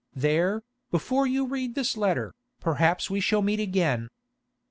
There, before you read this letter, perhaps we shall meet again.